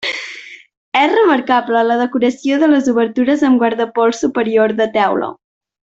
És remarcable la decoració de les obertures amb guardapols superior de teula.